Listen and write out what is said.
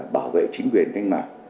bảo vệ chính quyền thanh mạng